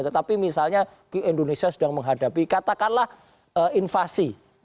tapi misalnya indonesia sudah menghadapi katakanlah invasi